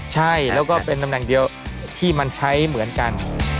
ใช่แล้วก็เป็นตำแหน่งเดียวที่มันใช้เหมือนกัน